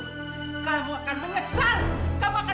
kamu akan menyesal kamu akan dapat pembalasan